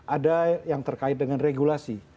ada yang terkait dengan regulasi